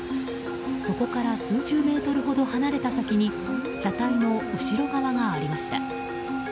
そこから数十メートルほど離れた先に車体の後側がありました。